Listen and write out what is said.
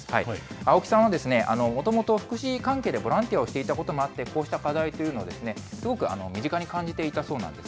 青木さんは、もともと福祉関係でボランティアをしていたこともあって、こうした課題というのをすごく身近に感じていたそうなんです。